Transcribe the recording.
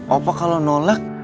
opa kalau nolek